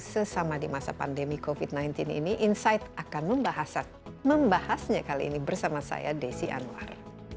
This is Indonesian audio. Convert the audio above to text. sesama di masa pandemi covid sembilan belas ini insight akan membahasnya kali ini bersama saya desi anwar